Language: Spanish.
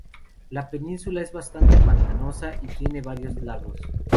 La península es bastante pantanosa y tiene varios lagos.